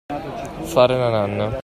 Fare la nanna.